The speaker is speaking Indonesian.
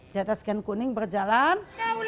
di atas ken kuning berjalan